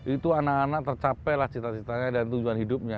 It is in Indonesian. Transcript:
itu anak anak tercapailah cita citanya dan tujuan hidupnya